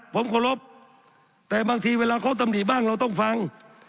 ผมเคารพแต่บางทีเวลาเขาตำหนิบ้างเราต้องฟัง